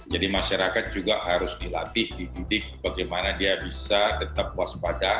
jadi masyarakat juga harus dilatih dididik bagaimana dia bisa tetap waspada